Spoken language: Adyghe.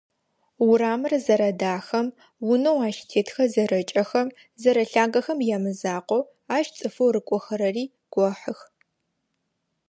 Урамыр зэрэдахэм, унэу ащ тетхэр зэрэкӏэхэм, зэрэлъагэхэм ямызакъоу, ащ цӏыфэу рыкӏохэрэри гохьых.